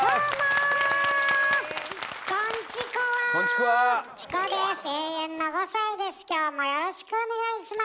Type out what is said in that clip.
どうかよろしくお願いします。